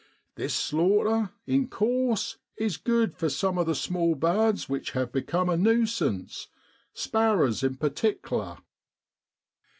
1 This slaughter, in course, is good for some of the small birds which ha' become a nuisance, sparrers in pertikler.